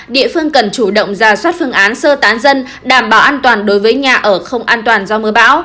địa phương cần chủ động ra soát phương án sơ tán dân đảm bảo an toàn đối với nhà ở không an toàn do mưa bão